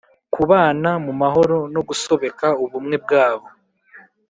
kubana mu mahoro nogusobeka ubumwe bwabo